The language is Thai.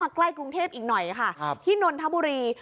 ใกล้กรุงเทพอีกหน่อยค่ะที่นนทบุรี